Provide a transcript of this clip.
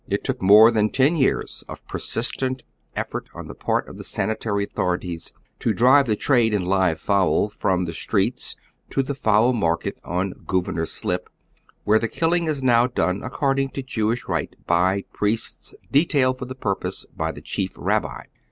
It took more than ten years of persistent efFort on the part of the sanitary authorities to drive the trade in live fowl fi om the streets to the fowl market on Gouverneur Slip, where the killing is now done according to Jewish rite by priests detailed for the purpose by the chief rabbi.